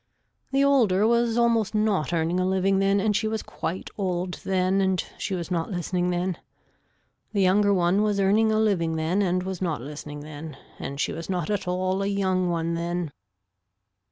The older was almost not earning a living then and she was quite old then and she was not listening then. The younger one was earning a living then and was not listening then and she was not at all a young one then.